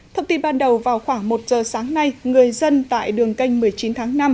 thông tin ban đầu vào khoảng một giờ sáng nay người dân tại đường canh một mươi chín tháng năm